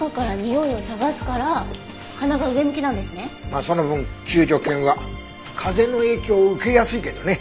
まあその分救助犬は風の影響を受けやすいけどね。